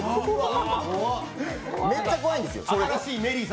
めっちゃ怖いんですよ。